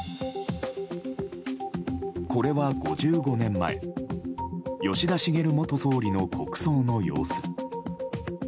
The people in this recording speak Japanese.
これは５５年前吉田茂元総理の国葬の様子。